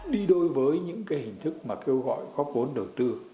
đi đôi với những cái hình thức mà kêu gọi góp vốn đầu tư